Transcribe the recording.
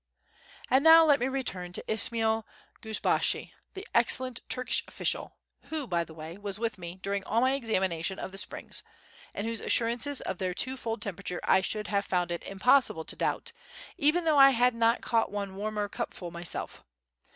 And now let me return to Ismail Gusbashi, the excellent Turkish official who, by the way, was with me during all my examination of the springs, and whose assurances of their twofold temperature I should have found it impossible to doubt, even though I had not caught one warmer cupful myself.